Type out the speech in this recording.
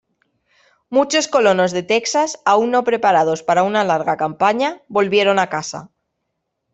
Muchos colonos de Texas, aún no preparados para una larga campaña, volvieron a casa.